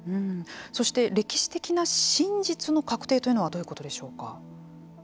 そして歴史的な真実の確定というのはどういうことでしょうか。